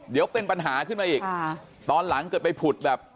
เดี๋ยวเป็นปัญหาขึ้นมาอีกตอนหลังเกิดไปผุดแบบ